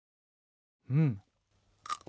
うん。